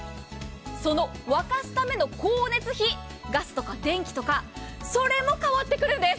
その沸かすための光熱費、ガスとか電気とか、それも変わってくるんです。